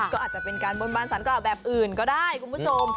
ก็อาจจะเป็นการบนบานสารกล่าวแบบอื่นก็ได้คุณผู้ชม